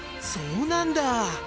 そうなんだ！